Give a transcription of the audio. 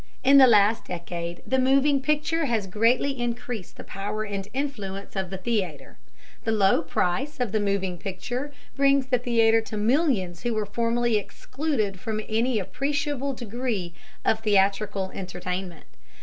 In the last decade the moving picture has greatly increased the power and influence of the theatre. The low price of the moving picture brings the theatre to millions who formerly were excluded from any appreciable degree of theatrical entertainment.